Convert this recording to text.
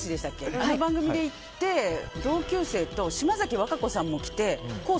あの番組で行って同級生と島崎和歌子さんも来てコース